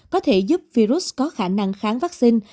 có thể giúp virus có khả năng kháng vắc xin